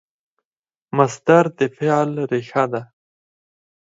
مصدر د فعل ریښه ده.